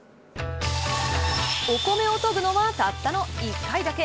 お米をとぐのはたったの１回だけ。